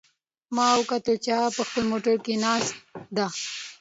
ما وکتل چې هغه په خپل موټر کې ناست ده